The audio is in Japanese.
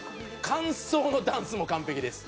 間奏のダンスも完璧です。